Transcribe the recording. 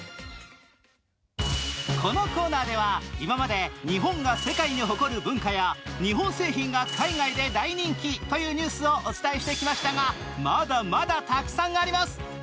このコーナーでは今まで日本が世界に誇る文化や日本製品が海外で大人気というニュースをお伝えしてきましたがまだまだたくさんあります。